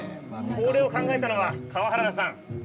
これを考えたのは川原田さん。